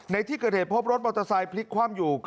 ในที่เกิดเหตุพบรถมอเตอร์ไซค์พลิกคว่ำอยู่